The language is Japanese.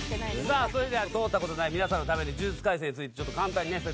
さあそれでは通った事ない皆さんのために『呪術廻戦』についてちょっと簡単にね説明お願い致します。